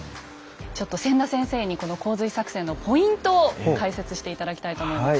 ちょっと千田先生にこの洪水作戦のポイントを解説して頂きたいと思います。